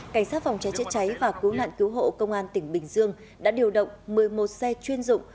cảnh sát phòng cháy chữa cháy và cứu nạn cứu hộ công an tỉnh bình dương đã điều động một mươi một xe chuyên dụng